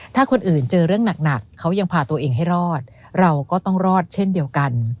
ถ้าคนอื่นเจอเรื่องหนักเขายังพาตัวเองให้รอดเราก็ต้องรอดเช่นเดียวกัน